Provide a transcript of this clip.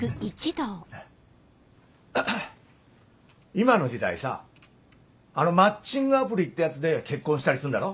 今の時代さあのマッチングアプリってやつで結婚したりすんだろ？